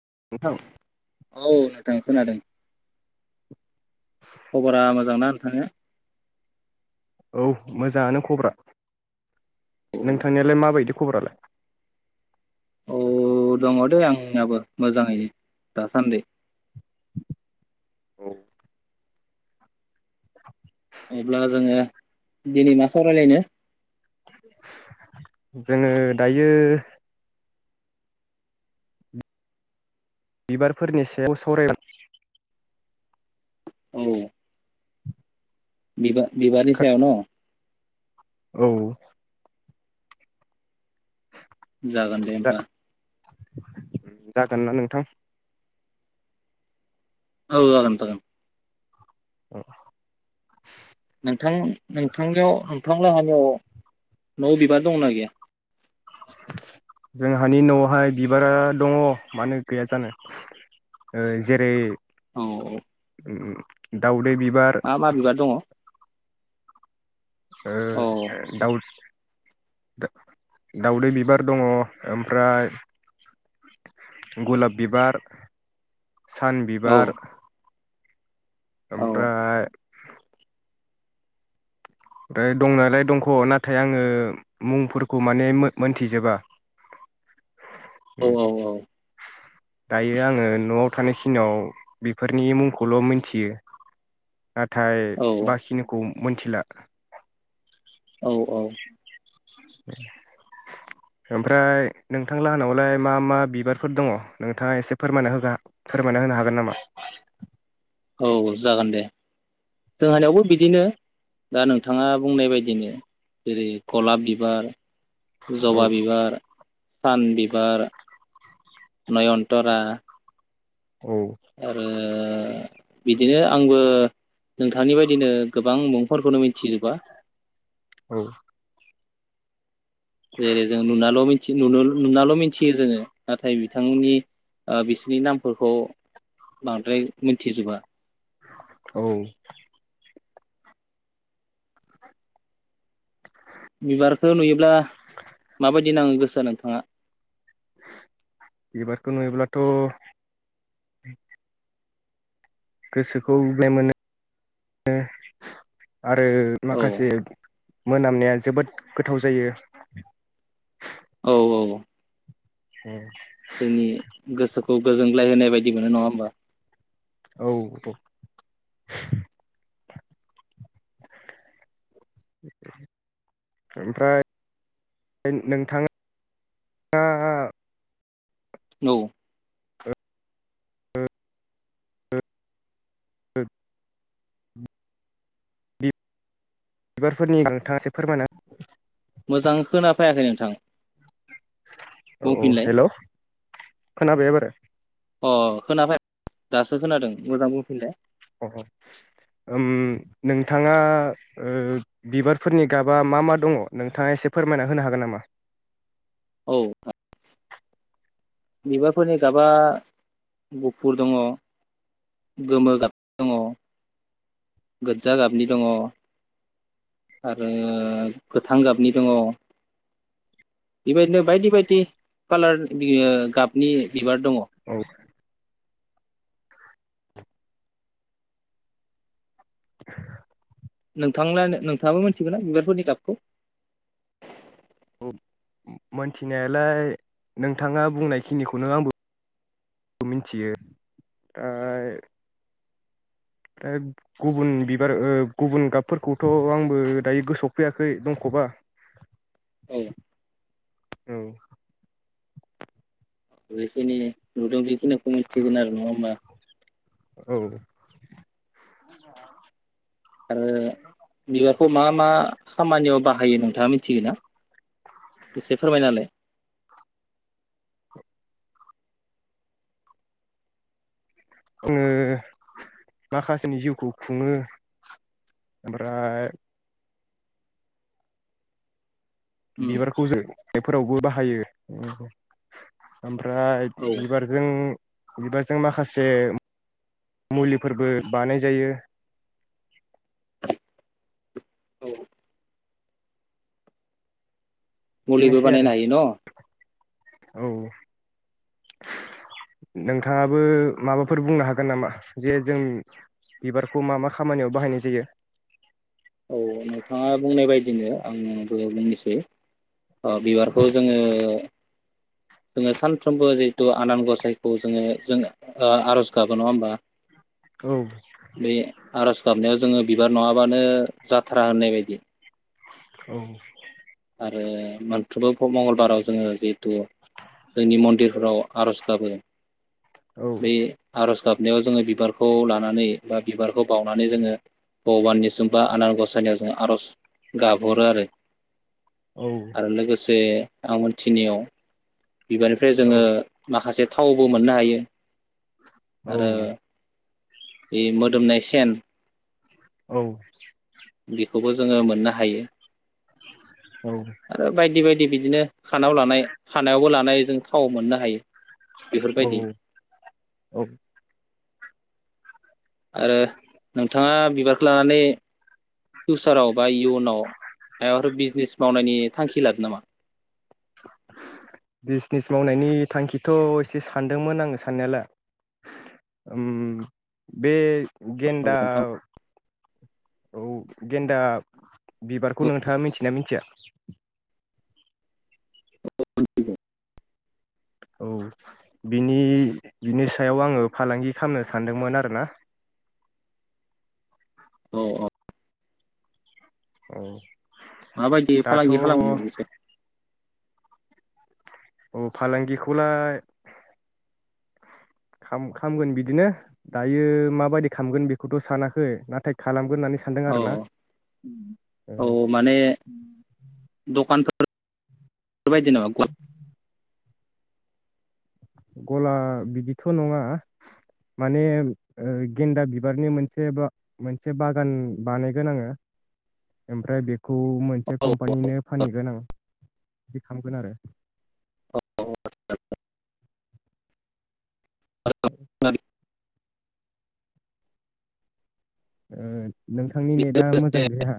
[unintelligible] औ नोंथां खोनादों खबरा मोजां ना मोजांना नोंथाङा औ मोजाङानो खबरा नोंथांनिलाय माबायदि खबरालाय औ दङ दे आंनिबो मोजाङैनो दासान्दै औ अब्ला जोङो दिनै मा सावरायलायनो जोङो दायो बिबारफोरनि सायाव सावरायनो बिबा बिबारनि सायाव न औ जागोन दे होमबा जागोन ना नोंथां औ जागोन जागोन औ नोंथां नोंथांनियाव नोंथां लागोनियाव नवाव बिबार दंना गैया जोंहानि नआवहाय बिबारा दङ मानो गैया जानो ओ जेरै औ औ ओम ओम दाउदै बि मा मा बिबार दङ ओ औ दाउ दाउदै बिबार दङ ओमफ्राय गलाप बिबार सान बिबार औ ओमफ्राय ओमफ्राय दंनालाय दंख नाथाय आङो मुंफोरखौ माने मोनथिजोबा औ उम दायो आङो न खिनाव बेफोरनि मुंखौल मिथियो। नाथाय बाखिनिखौ मोनथिला। औ औ। ओमफ्राय नोंथां लाहानावलाय मा मा बिबारफोर दङ। नोंथाङा एसे फोरमना होबा फोरमायना होनो हागोन नामा? औ औ जागोन दे जोंहानावबो बिदिनो दा नोंथाङा बुंनाय बादिनो। जेरै गलाब बिबार औ जबा बिबार सान बिबार नयनतरा औ आरो बिदिनो आंबो नोंथांनि बायदिनो गोबां मुंफोरखौनो मिथिजोबा। औ। जेरै जों नुनाल नुनाल मिथियो जोङो नाथाय बिथांमोननि बिसोरनि नामफोरखौ बांद्राय मिथिजोबा। औ। बिबारखौ नुयोब्ला माबायदि नाङो गोसोआ नोंथाङा बिबारखौ नुयोब्लाथ गोसोखौ [inaudible] मोनो। आरो औ माखासे मोनामनाया जोबोद गोथाव जायो। औ औ औ। उम। जोंनि गोसोखौ गोजोनग्लाय होनाय बायदि मोनो नङा होमबा। औ औ ओमफ्राय नोंथाङा औ। [inaudible] बिबार फोरनि नोंथाङा एसे फोरमायना मोजां खोना फैयाखै नोंथां। औ बुंफिनलाय हेलौ खोनाबाय एबार। खोनाफैया दासो खोनादों मोजां बुंफिनलाय अ उम नोंथाङा ओ बिबारफोरनि गाबा मा मा दङ नोंथाङा एसे फोरमायना होनो हागोन नामा? औ बिबारफोरनि गाबा गुफुर दङ गोमो गाब दङ। गोदजा गाबनि दङ आरो गोथां गाबनि दङ बेबायदिनो बायदि बायदि कालार नि गाबनि बिबार दङ। औ [inaudible] नोंथांल नोंथाङाबो मिथिगौ ना बिबारफोरनि गाबखौ? औ मोनथिनायालाय नोंथाङा बुंनायखिनिखौ नों आंबो मिथियो। आरो औ होद गुबुन बिबार गुबुन गाबफोरखौथ आंबो दायो गोसोआवफैयाखै दंखबा औ। जेखिनि नुदों बेखिनो मिथिगोन आरो नङा होमबा। औ। आरो बिबारखौ मा मा खामानियाव बाहा यो नोंथाङा मिथिगोन ना एसे फोरमायनालाय। ओ माखासेनि जिउखौ खुङो ओमफ्राय उम बिबारखौ जों बेफोरावबो बाहायो ओम ओमफ्राय औ बिबारजों बिबारजों माखासे मुलिफोरबो बानाय जायो। औ मुलिबो बेफोरनोसै आरो बानायनो हायो न' औ नोंथाङाबो माबाफोर बुंनो हागोन नामा जे जों औ नोंथाङा बुंनाय बायदिनो आंबो बुंनोसै बिबारखौ जोङो जोङो सानफ्रोमबो जिहेतु आनान गसाइखौ जोङो जों ओ आर'ज गाबो नङा होमबा औ बे आर'ज गाबनायाव जोङो बिबार नङाबानो जा थ्रा होननाय बायदि औ ओ मोनफ्रोमबो मंगलबाराव जोङो जिहेथु जोंनि मन्दिरफोराव आर'ज गाबो औ बे आर'ज गाबनायाव जोङो बिबारखौ लानानै बा बिबारखौ बावनानै जोङो भग'बाननिसिमबो आनार गसायनायाव जोंङो आर'ज गाबहरो आरो औ आरो लोगो जे आं मोनथिनियाव बिबारनिफ्राय औ जोङो माखासे थाव बो मोननो हायो आरो बे मोदोमनाय सेन्त औ खौबो जोंङो मोननो हायो। औ आरो बायदि-बायदि बिदिनो खानायाव लानाय खानायावबो ला नाय जों थाव मोननो हायो। औ बेफोरबायदि औ औ आरो नोंथाङा बिबार लानानै फिउचाराव बा इयुनाव मायबाफोर बिजनेस मावनायनि थांखि लादों नामा? बिजनेस मावनायनि थांखिथ' एसे सानदोंमोन आंङो साननायालाय ओम बे औ गेनदा नोंथां? औ गेनदा बिबारखौ नोंथाङा मिथियोना मिथिया? [unintelligible] औ बिनि बिनि सायाव आंङो फालांगि खामनो सानदोंमोन आरोना औ औ औ माबायदि दाथ' फालांगि खालामसै औ फालांगिखौलाय खाम खामगोन बिदिनो दायो माबायदि खामगोन बेखौथ' सानाखै नाथाय खालामगोन होननानै सानदों औ आरोना। ओ औ माने फोरबायदि नो गल गला बिदिथ' नंङा माने ओ गेन्दा बिबारनि मोनसे मोनसे बागान बानायगोन आंङो ओमफ्राय बे खौ मोनसे कम्पानिनो फानहैगोन आं बिदि खालामगोन आरो। [unintelligible] [unintelligible] ओ नोंथांनि नेटआ मोजां गैया।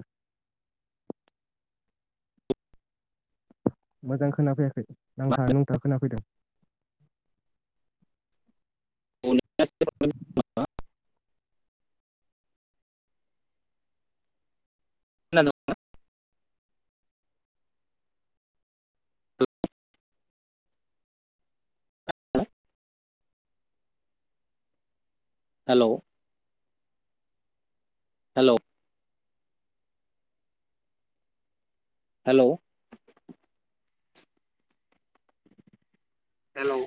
मोजां खोनाफैयाखै नांथा-नुंथा खोनाफैदों। [unintelligible] [unintelligible] Hello hello hello hello